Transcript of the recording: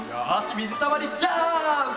みずたまりジャーンプ！